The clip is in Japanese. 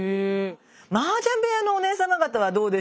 マージャン部屋のおねえ様方はどうでしょう？